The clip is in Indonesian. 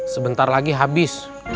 sebentar lagi habis